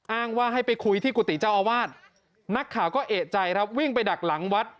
อ้างว่าให้ไปคุยที่กุฏิเจ้าอาวาสนักข่าวก็เอกใจครับวิ่งไปดักหลังวัด